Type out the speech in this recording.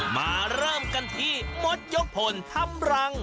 มาเริ่มกันที่มดยกพลทำรัง